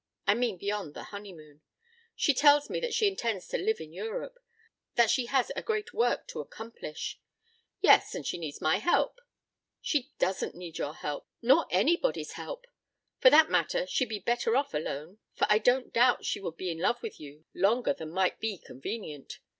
I mean beyond the honeymoon? She tells me that she intends to live in Europe that she has a great work to accomplish " "Yes, and she needs my help." "She doesn't need your help, nor anybody's help. For that matter she'd be better off alone, for I don't doubt she would be in love with you longer than might be convenient.